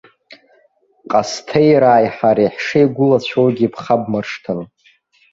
Ҟасҭеирааи ҳареи ҳшеигәылацәоугьы бхабмыршҭын.